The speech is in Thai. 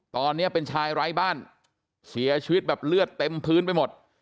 ตอนนี้เป็นชายไร้บ้านเสียชีวิตแบบเลือดเต็มพื้นไปหมด